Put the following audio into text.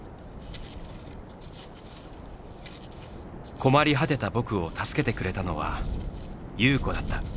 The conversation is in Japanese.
困り果てた「僕」を助けてくれたのは優子だった。